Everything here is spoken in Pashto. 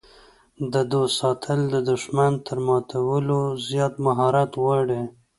د دوست ساتل د دښمن تر ماتولو زیات مهارت غواړي.